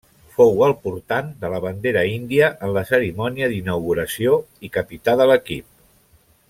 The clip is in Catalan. Fou el portant de la bandera índia en la cerimònia d'inauguració i capità de l'equip.